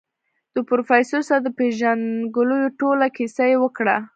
د پروفيسر سره د پېژندګلوي ټوله کيسه يې وکړه.